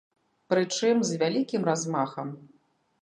Прычым з вялікім размахам.